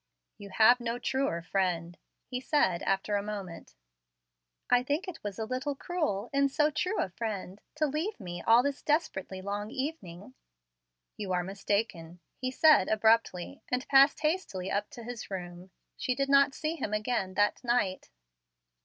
"You have no truer friend," he said, after a moment. "I think it was a little cruel, in so true a friend, to leave me all this desperately long evening." "You are mistaken," he said, abruptly, and passed hastily up to his room. She did not see him again that night.